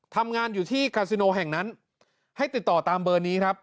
ทำงานอยู่ที่กาซิโนแห่งนั้นให้ติดต่อตามเบอร์นี้ครับ